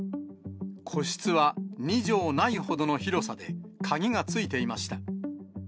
個室は、２畳ないほどの広さで、鍵が付いていました。